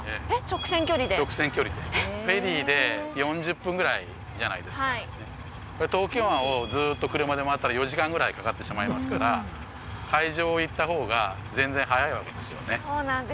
直線距離でフェリーで４０分ぐらいじゃないですかねっ東京湾をずっと車で回ったら４時間ぐらいかかってしまいますから海上行った方が全然早いわけですよね